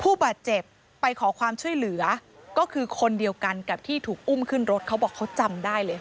ผู้บาดเจ็บไปขอความช่วยเหลือก็คือคนเดียวกันกับที่ถูกอุ้มขึ้นรถเขาบอกเขาจำได้เลย